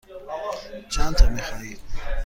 چندتا می خواهید؟